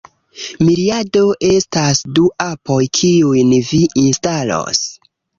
Miriado estas du apoj kiujn vi instalos